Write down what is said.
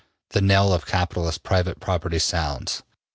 The knell of capitalist private property sounds.